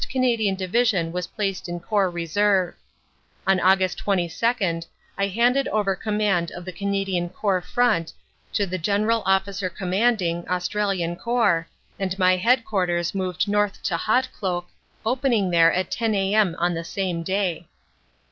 Canadian Division was placed in Corps Reserve. On Aug. 22 I handed over command of the Canadian Corps front to the G.O.C., Australian Corps, and my headquarters moved north to Hautecloque, opening there at 10 a.m. on the same day.